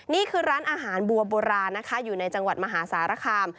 นี่คือร้านอาหารบัวโบราณนะคะอยู่ในจังหวัดมหาสารคาม